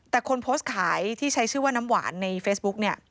แต่คนโพสต์ขายที่ใช้ชื่อว่าน้ำหวานในเฟซบุ๊กเนี่ย